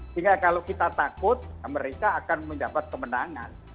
sehingga kalau kita takut mereka akan mendapat kemenangan